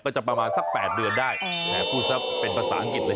จะประมาณสัก๘เดือนได้แหมพูดซะเป็นภาษาอังกฤษเลย